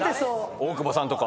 大久保さんとか。